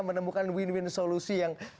menemukan win win solusi yang